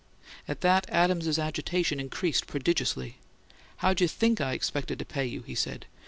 At that, Adams's agitation increased prodigiously. "How'd you THINK I expected to pay you?" he said.